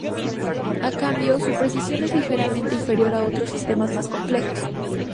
A cambio, su precisión es ligeramente inferior a otros sistemas más complejos.